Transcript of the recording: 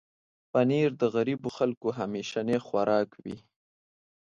پنېر د غریبو خلکو همیشنی خوراک و.